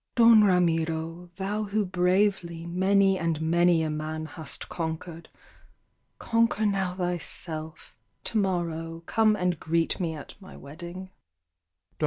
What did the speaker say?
"Don Ramiro, thou who bravely Many and many a man hast conquered, Conquer now thyself, to morrow Come and greet me at my wedding."